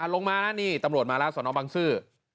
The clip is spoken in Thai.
ลงมานะนี่ตำรวจมาแล้วสนบังซื้อ